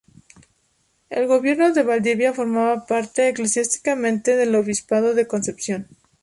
El Gobierno de Valdivia formaba parte eclesiásticamente del obispado de Concepción.